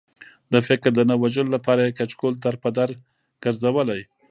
د فکر د نه وژلو لپاره یې کچکول در په در ګرځولی.